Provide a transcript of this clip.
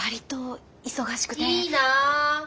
いいな！